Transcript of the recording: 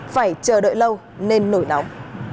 phải chờ đợi lâu nên nổi nóng